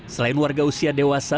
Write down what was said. selain warga usia dewasa